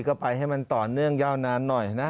ก็ไปให้มันต่อเนื่องยาวนานหน่อยนะ